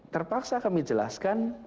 terpaksa kami jelaskan